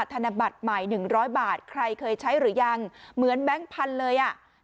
ธนบัตรใหม่๑๐๐บาทใครเคยใช้หรือยังเหมือนแบงค์พันธุ์เลยอ่ะ